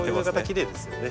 きれいですよね。